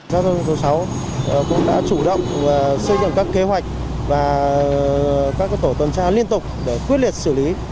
giao thông số sáu cũng đã chủ động xây dựng các kế hoạch và các tổ tuần tra liên tục để quyết liệt xử lý